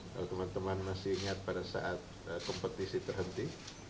kalau teman teman masih ingat pada saat kompetisi terhenti